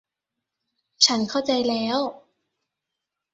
ฉันเข้าใจแล้ว